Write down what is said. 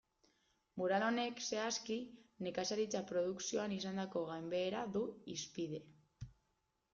Mural honek, zehazki, nekazaritza produkzioan izandako gainbehera du hizpide.